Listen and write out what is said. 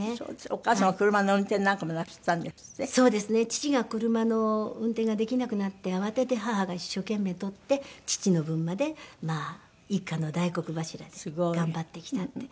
父が車の運転ができなくなって慌てて母が一生懸命取って父の分まで一家の大黒柱で頑張ってきたって。